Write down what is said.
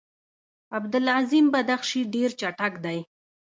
عبدالعظیم بدخشي ډېر چټک دی.